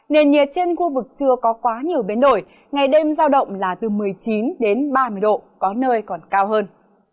nền nhiệt trên khu vực chưa có quá nhiều biến đổi ngày đêm giao động là từ một mươi chín đến ba mươi độ có nơi còn cao hơn